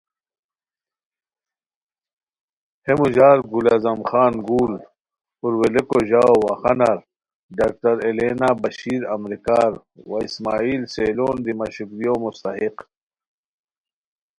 ہے موژار گل اعظم خان گلؔ (پھورولیکوژاؤ واخانار)، ڈاکٹر ایلینا بشیر امریکار وا اسماعیل سیلون دی مہ شکریو مستحق